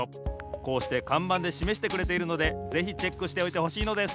こうしてかんばんでしめしてくれているのでぜひチェックしておいてほしいのです。